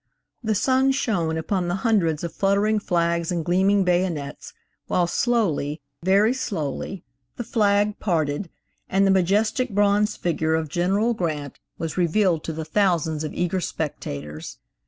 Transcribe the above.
The sun shone upon the hundreds of fluttering flags and gleaming bayonets, while slowly, very slowly, the flag parted and the majestic bronze figure of General Grant was revealed to the thousands of eager spectators.